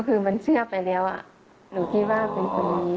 คือมันเชื่อไปแล้วหนูคิดว่าเป็นคนนี้